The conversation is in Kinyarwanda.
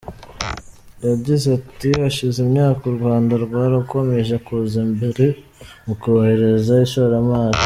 Yagize ati "Hashize imyaka u Rwanda rwarakomeje kuza imbere mu korohereza ishoramari.